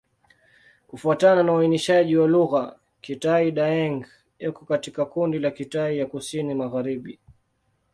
Kufuatana na uainishaji wa lugha, Kitai-Daeng iko katika kundi la Kitai ya Kusini-Magharibi.